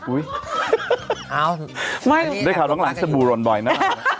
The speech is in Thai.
อุ้ยเอาไม่ได้ข่าวหลังหลังสบู่รนบ่อยน่ะ